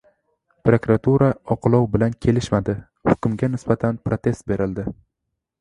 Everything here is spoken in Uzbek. Prokuratura «oqlov» bilan kelishmadi — hukmga nisbatan protest berildi